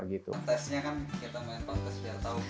tesnya kan kita melakukan